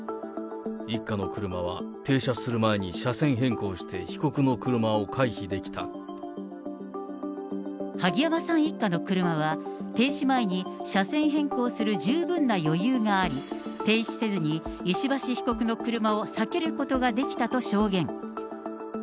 一家の車は、停車する前に車線変更して、萩山さん一家の車は、停止前に車線変更する十分な余裕があり、停止せずに、石橋被告の車を避けることができたと証言。